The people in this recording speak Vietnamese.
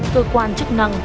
cơ quan chức năng